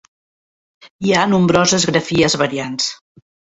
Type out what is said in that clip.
Hi ha nombroses grafies variants.